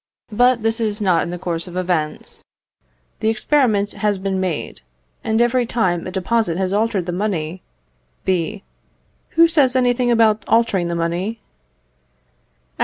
But this is not in the course of events. The experiment has been made, and every time a despot has altered the money ... B. Who says anything about altering the money?